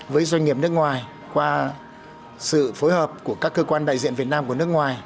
với doanh nghiệp nước ngoài qua sự phối hợp của các cơ quan đại diện việt nam của nước ngoài